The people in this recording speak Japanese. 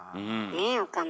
ねえ岡村。